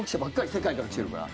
世界から来てるから。